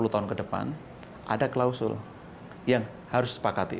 sepuluh tahun ke depan ada klausul yang harus disepakati